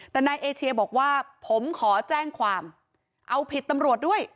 แต่นายเอเชียบอกว่าผมขอแจ้งความเอาผิดตำรวจด้วย